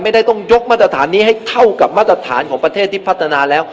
ไม่ได้ต้องยกมาตรฐานนี้ให้เท่ากับมาตรฐานของประเทศที่พัฒนาแล้ว